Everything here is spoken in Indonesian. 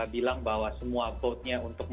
bilang bahwa semua vote nya untuk